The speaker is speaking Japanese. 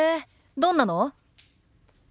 どんなの？